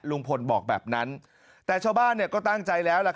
ลุงพลบอกแบบนั้นแต่ชาวบ้านก็ตั้งใจแล้ว